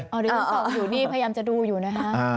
อ๋อผู้ดูลีชลับอยู่นี่พยายามจะดูอยู่นะฮะ